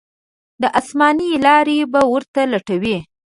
د اسانۍ لارې به ورته لټوي.